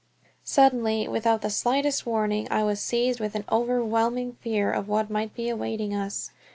Suddenly, without the slightest warning, I was seized with an overwhelming fear of what might be awaiting us.